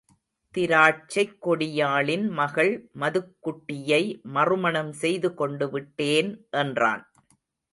திராட்சைக் கொடியாளின் மகள் மதுக்குட்டியை மறுமணம் செய்து கொண்டுவிட்டேன் என்றான்.